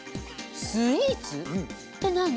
スイーツ？って何？